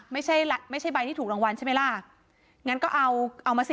ไม่ใช่ไม่ใช่ใบที่ถูกรางวัลใช่ไหมล่ะงั้นก็เอาเอามาสิ